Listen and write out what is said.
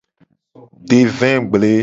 De vegble.